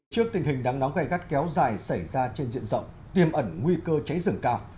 trước tình hình đắng nóng gây gắt kéo dài xảy ra trên diện rộng tiềm ẩn nguy cơ cháy rừng cao